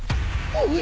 おい！